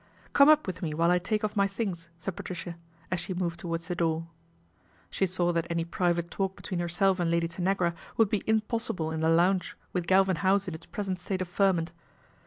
" Come up with me while I take off my things," said Patricia, as she moved towards the door. She saw that any private talk between herself and Lady Tanagra would be impossible in the lounge with Galvin House in its present state of ferment.